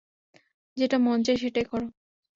যেটা মনে চায় সেটাই করো।